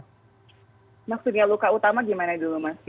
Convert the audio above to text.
maksudnya luka utama gimana dulu mas